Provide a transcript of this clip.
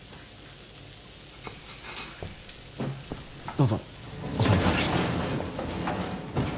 どうぞお座りください